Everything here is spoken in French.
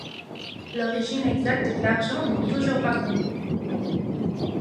L'origine exacte de l'argent n'est toujours pas connue.